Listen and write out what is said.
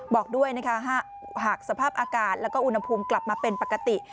บอกด้วยนะคะหากสภาพอากาศแล้วก็อุณหภูมิกลับมาเป็นปกติ